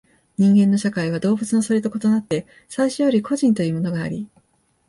人間の社会は動物のそれと異なって最初より個人というものがあり、